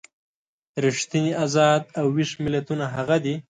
ریښتیني ازاد او ویښ ملتونه هغه دي.